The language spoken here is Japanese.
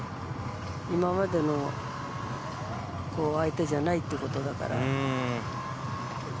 今までの相手じゃないということだから。